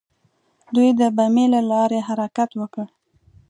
دوی د بمیي له لارې حرکت وکړ.